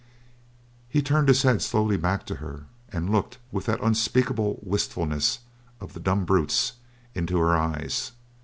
He turned his head slowly back to her and looked with the unspeakable wistfulness of the dumb brutes into her eyes.